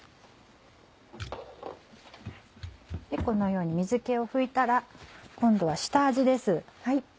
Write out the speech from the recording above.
このように水気を拭いたら今度は下味です。